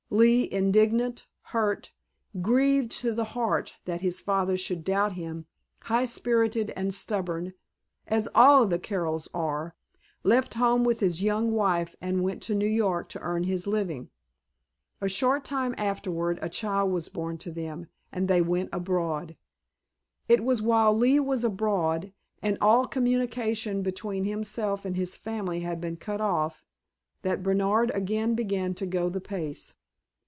Lee, indignant, hurt, grieved to the heart that his father should doubt him, high spirited and stubborn, as all of the Carrolls are, left home with his young wife and went to New York to earn his living. A short time afterward a child was born to them, and they went abroad. It was while Lee was abroad, and all communication between himself and his family had been cut off, that Bernard again began to go the pace.